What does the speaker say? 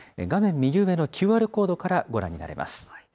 画面右上のＱＲコードからご覧になれます。